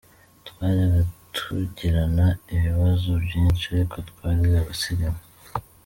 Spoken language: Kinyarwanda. Twajyaga tugirana ibibazo byinshi ariko twari abasirimu.